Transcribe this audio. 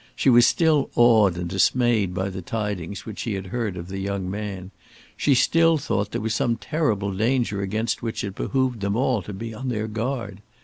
She was still awed and dismayed by the tidings which she had heard of the young man; she still thought there was some terrible danger against which it behoved them all to be on their guard.